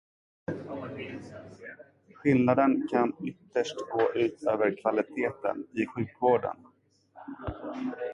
Skillnaden kan ytterst gå ut över kvaliteten i sjukvården.